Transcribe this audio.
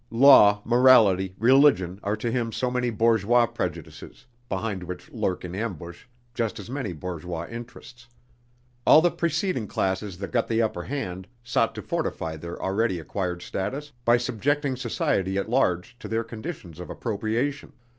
Law, morality, religion, are to him so many bourgeois prejudices, behind which lurk in ambush just as many bourgeois interests. All the preceding classes that got the upper hand, sought to fortify their already acquired status by subjecting society at large to their conditions of appropriation.